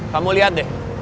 kamu lihat deh